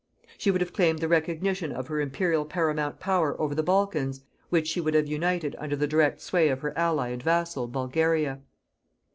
She would have claimed the recognition of her imperial paramount power over the Balkans, which she would have united under the direct sway of her ally and vassal, Bulgaria.